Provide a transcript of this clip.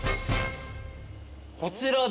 こちらです。